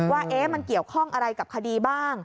ว่ามันเกี่ยวข้องอะไรกับคดีบ้าง